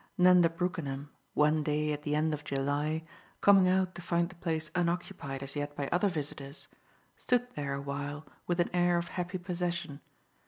Nanda Brookenham, one day at the end of July, coming out to find the place unoccupied as yet by other visitors, stood there a while with an air of happy possession.